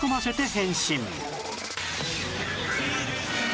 変身！